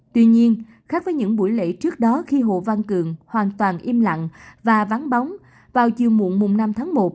tuy nhiên khác với những buổi lễ trước đó khi hồ văn cường hoàn toàn im lặng và vắng bóng vào chiều muộn năm tháng một